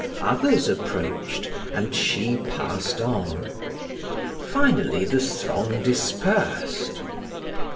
Others approached, and she passed on. Finally the throng dispersed.